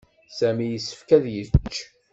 Sami yessefk ad yečč.